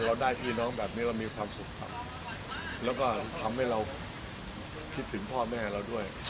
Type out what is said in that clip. เราได้พี่น้องแบบนี้เรามีความสุขครับแล้วก็ทำให้เราคิดถึงพ่อแม่เราด้วย